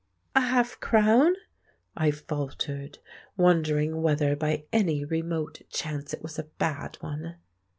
"A half crown," I faltered, wondering whether by any remote chance it was a bad one.